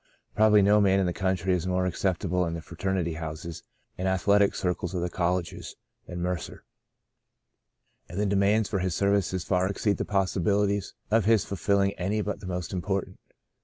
Probably no man in the country is more acceptable in the fraternity houses and athletic circles of the colleges than Mercer, and the demands for his services far exceed the possibihties of his fulfilling any but the most important.